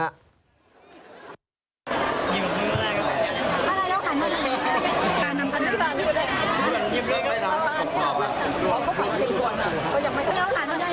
นั่นเป็นอะไร